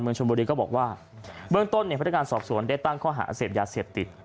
เมืองชมบุรีก็บอกว่าเบื้องต้นพันธการสอบสวนได้ตั้งข้อหาเศษยาเสียบติด